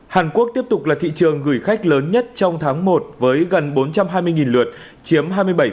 hàn quốc tiếp tục là thị trường gửi khách lớn nhất trong tháng một với gần bốn trăm hai mươi lượt chiếm hai mươi bảy